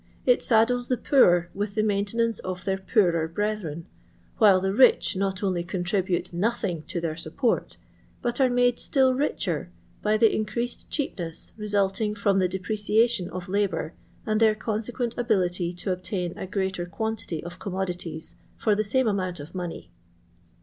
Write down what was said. It nddles the poor with the maintenance of their poorer brethren, while the rich not only contribute nothing to their support, but are made still richer by the increased cheapness resulting from the de preciation of hibonr and their consequent ability to obtain a greater quantity of commodides for the same amount of money.